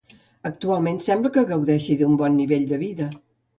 Actualment sembla que gaudeix d'un bon nivell de vida.